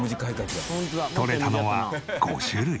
とれたのは５種類。